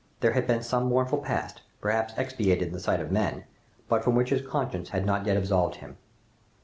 There had been some mournful past, perhaps expiated in the sight of men, but from which his conscience had not yet absolved him.